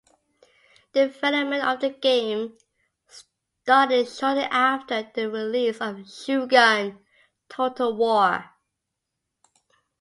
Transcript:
Development of the game started shortly after the release of "Shogun: Total War".